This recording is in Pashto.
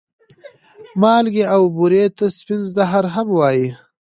مالګې او بورې ته سپين زهر هم وايې